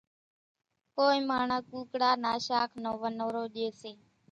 ڪونئين ماڻۿان ڪُوڪڙا نا شاک نو ونورو ڄيَ سي۔